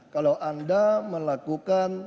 kalau anda melakukan